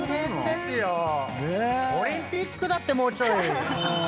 オリンピックだってもうちょい。